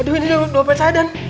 aduh ini udah lupa saya den